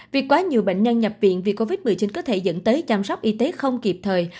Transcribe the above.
việc quá nhiều bệnh nhân nhập viện vì covid một mươi chín có thể dẫn tới chăm sóc y tế không kịp thời